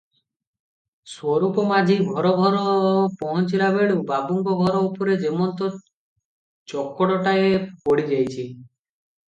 ସ୍ୱରୂପ ମାଝି ଭୋର ଭୋର ପହଞ୍ଚିଲା ବେଳୁଁ ବାବୁଙ୍କ ଘର ଉପରେ ଯେମନ୍ତ ଚଡ଼କଟାଏ ପଡି ଯାଇଛି ।